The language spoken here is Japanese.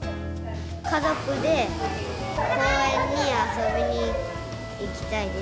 家族で公園に遊びに行きたい